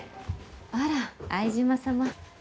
あら相島様。